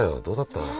どうだった？